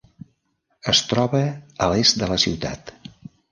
Es troba a l'est de la ciutat.